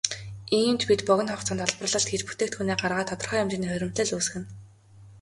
Иймд бид богино хугацаанд олборлолт хийж бүтээгдэхүүнээ гаргаад тодорхой хэмжээний хуримтлал үүсгэнэ.